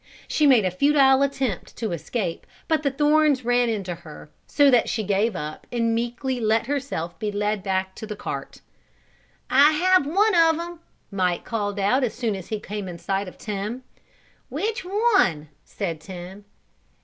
She made a futile attempt to escape but the thorns ran into her so that she gave up and meekly let herself be led back to the cart. "I have one of them," Mike called out as soon as he came in sight of Tim. "Which one?" said Tim.